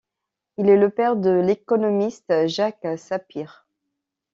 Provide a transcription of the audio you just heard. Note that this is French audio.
Il est le père de l'économiste Jacques Sapir.